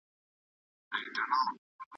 که استاد مخالفت ونه مني نو شاګرد نه پوهېږي.